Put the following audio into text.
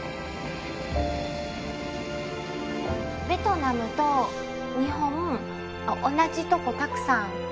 ベトナムと日本同じとこたくさん